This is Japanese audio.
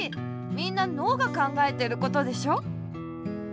みんなのうがかんがえてることでしょ？